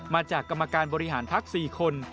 มาจากกรรมการบริหารพัก๔คน